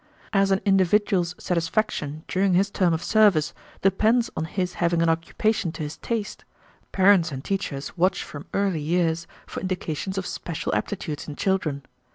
As an individual's satisfaction during his term of service depends on his having an occupation to his taste, parents and teachers watch from early years for indications of special aptitudes in children.